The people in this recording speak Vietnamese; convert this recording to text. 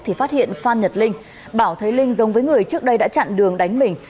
thì phát hiện phan nhật linh bảo thấy linh giống với người trước đây đã chặn đường đánh mình